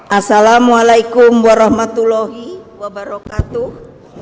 assalamualaikum warahmatullahi wabarakatuh